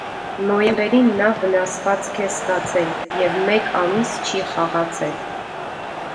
Նոյեմբերին նա վնասվածք է ստացել և մեկ ամիս չի խաղացել։